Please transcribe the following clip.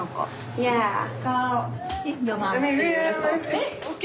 えっＯＫ？